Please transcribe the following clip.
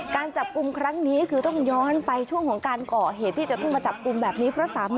การจับกลุ่มครั้งนี้คือต้องย้อนไปช่วงของการก่อเหตุที่จะต้องมาจับกลุ่มแบบนี้เพราะสามี